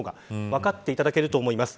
分かっていただけると思います。